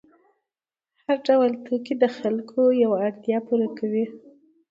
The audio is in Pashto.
هر ډول توکي د خلکو یوه اړتیا پوره کوي.